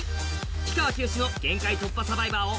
氷川きよしの「限界突破×サバイバー」を